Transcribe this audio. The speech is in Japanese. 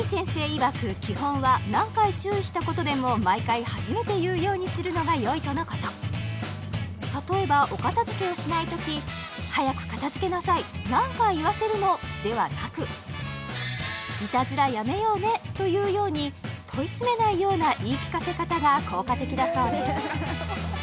いわく基本は何回注意したことでも毎回初めて言うようにするのがよいとのこと例えばお片付けをしないときではなく「いたずらやめようね」というように問い詰めないような言い聞かせ方が効果的だそうです